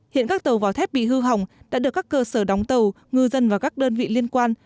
hiện các tàu vỏ thép bị hư hỏng đã được các cơ sở đóng tàu ngư dân và các đơn vị liên quan